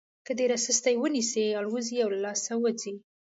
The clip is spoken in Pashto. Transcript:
که ډېره سسته یې ونیسئ الوزي او له لاسه وځي.